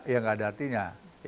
ya tidak ada artinya